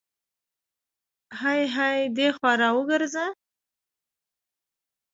های های دې خوا راوګرزه، ستا په دا شي کې موږی در ومنډم.